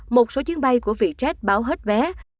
một số chuyến bay của vietjet báo hết vé